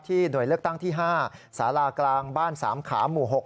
หน่วยเลือกตั้งที่๕สารากลางบ้าน๓ขาหมู่๖